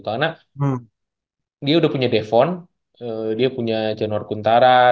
karena dia udah punya devon dia punya jenor kuntara